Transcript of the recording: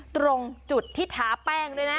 ตรงจุดที่ท้าแป้งด้วยนะ